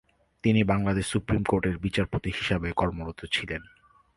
তিনি বাংলাদেশ সুপ্রিম কোর্টের "বিচারপতি" হিসাবে কর্মরত ছিলেন।